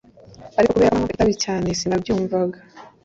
Ariko kubera ko nanywaga itabi cyane sinabyumvaga